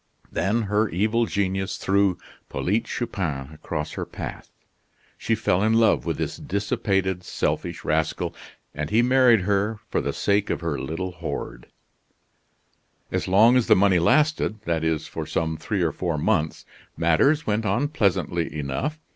Then her evil genius threw Polyte Chupin across her path. She fell in love with this dissipated, selfish rascal; and he married her for the sake of her little hoard. As long as the money lasted, that is, for some three or four months, matters went on pleasantly enough.